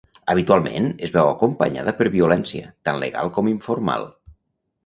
Habitualment es veu acompanyada per violència, tant legal com informal.